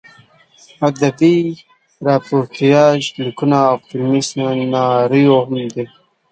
ادبي راپورتاژ لیکونه او فلمي سناریو هم دي.